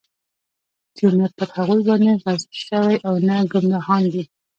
چې نه پر هغوى باندې غضب شوى او نه ګمراهان دی.